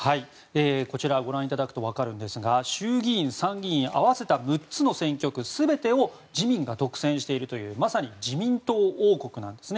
こちらご覧いただくとわかるんですが衆議院、参議院合わせた６つの選挙区全てを自民が独占しているというまさに自民党王国なんですね。